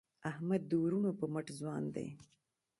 احمد د وروڼو په مټ ځوان دی.